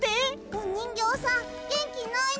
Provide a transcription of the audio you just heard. おにんぎょうさんげんきないの。